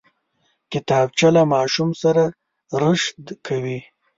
کتابچه له ماشوم سره رشد کوي